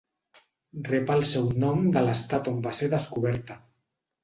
Rep el seu nom de l'estat on va ser descoberta: